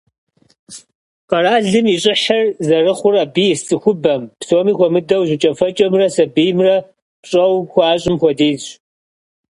Къэралым и щӀыхьыр зэрыхъур абы ис цӀыхубэм, псом хуэмыдэу, жьыкӏэфэкӏэмрэ сабиймрэ пщӀэуэ хуащӀым хуэдизщ.